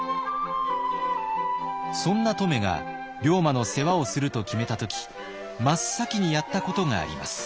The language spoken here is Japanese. そんな乙女が龍馬の世話をすると決めた時真っ先にやったことがあります。